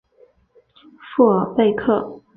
富尔贝克。